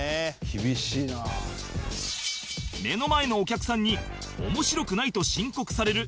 「厳しいな」目の前のお客さんに「面白くない」と申告される